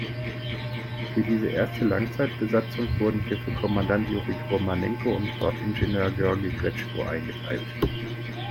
Für diese erste Langzeitbesatzung wurden hierfür Kommandant Juri Romanenko und Bordingenieur Georgi Gretschko eingeteilt.